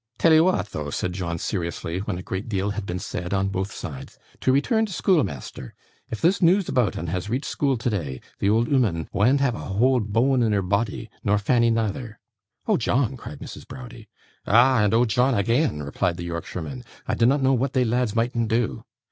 'Tell'ee wa'at though,' said John seriously, when a great deal had been said on both sides, 'to return to schoolmeasther. If this news aboot 'un has reached school today, the old 'ooman wean't have a whole boan in her boddy, nor Fanny neither.' 'Oh, John!' cried Mrs. Browdie. 'Ah! and Oh, John agean,' replied the Yorkshireman. 'I dinnot know what they lads mightn't do.